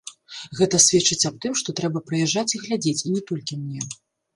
Гэта сведчыць аб тым, што трэба прыязджаць і глядзець, і не толькі мне.